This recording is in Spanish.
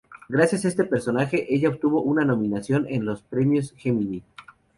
Gracias a este personaje, ella obtuvo una nominación en los Premios Gemini.